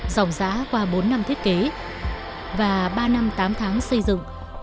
dòng giã qua bốn năm thiết kế và ba năm tám tháng xây dựng